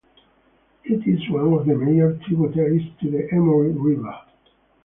It is one of the major tributaries to the Emory River.